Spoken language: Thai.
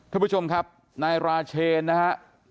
ท่านผู้ชมครับนายราเชนนะฮะ